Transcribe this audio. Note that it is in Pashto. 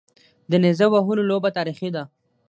د نیزه وهلو لوبه تاریخي ده